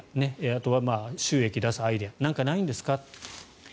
あとは収益を出すアイデアなんかないんですか？